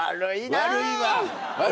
悪いわ。